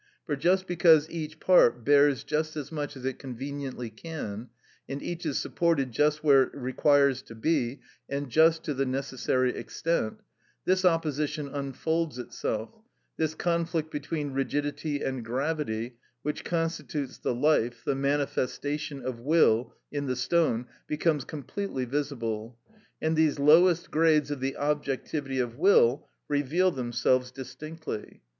For just because each part bears just as much as it conveniently can, and each is supported just where it requires to be and just to the necessary extent, this opposition unfolds itself, this conflict between rigidity and gravity, which constitutes the life, the manifestation of will, in the stone, becomes completely visible, and these lowest grades of the objectivity of will reveal themselves distinctly.